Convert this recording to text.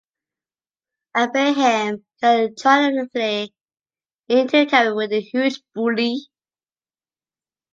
Ibrahim got triumphantly into Cairo with a huge booty.